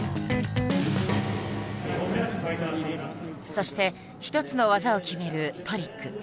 そして１つの技を決める「トリック」。